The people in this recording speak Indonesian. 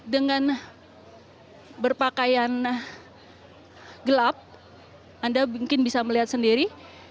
dengan berpakaian gelap anda mungkin bisa melihat sendiri